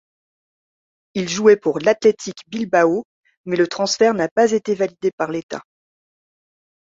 Il jouait pour l'Athletic Bilbao, mais le transfert n'a pas été validé par l'État.